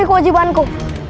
aku harus membangun